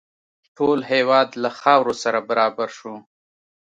ټول هېواد له خاورو سره برابر شو.